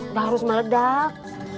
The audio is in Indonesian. nggak harus meledak